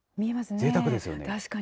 ぜいたくですね。